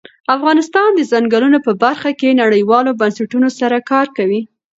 افغانستان د ځنګلونه په برخه کې نړیوالو بنسټونو سره کار کوي.